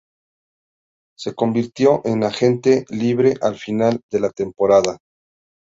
Se convirtió en agente libre al final de la temporada.